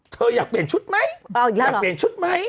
อยากเปลี่ยนชุดไหมอยากเปลี่ยนชุดไหม